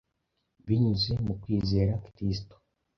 Binyuze mu kwizera Kristo